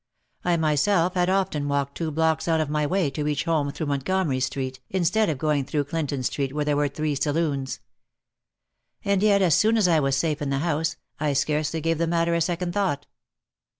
I myself had often walked two blocks out of my way to reach home through Montgomery Street instead of going through Clinton Street where there were three saloons. And yet as soon as I was safe in the house I scarcely gave the matter a second thought.